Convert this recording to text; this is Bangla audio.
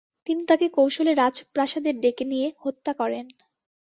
তিনি তাকে কৌশলে রাজপ্রাসাদে ডেকে নিয়ে হত্যা করেন।